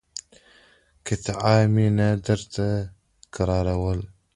قطعاً مې نه درتکراروله.